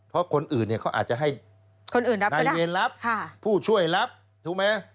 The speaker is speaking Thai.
เพราะคนอื่นเขาอาจจะให้ในเวียนรับผู้ช่วยรับถูกไหม